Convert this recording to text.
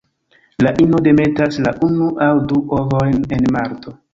La ino demetas la unu aŭ du ovojn en marto.